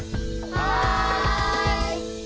はい！